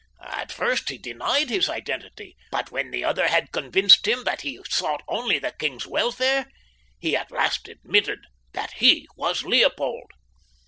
At first he denied his identity, but when the other had convinced him that he sought only the king's welfare he at last admitted that he was Leopold."